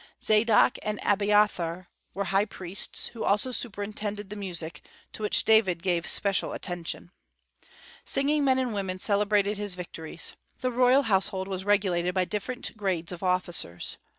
Zadok and Abiathar were the high priests, who also superintended the music, to which David gave special attention. Singing men and women celebrated his victories. The royal household was regulated by different grades of officers.